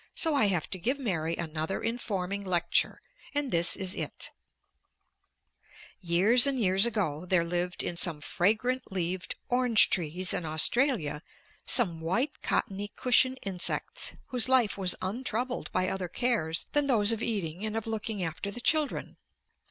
So I have to give Mary another informing lecture, and this is it: "Years and years ago, there lived in some fragrant leaved orange trees in Australia some white cottony cushion insects whose life was untroubled by other cares than those of eating and of looking after the children.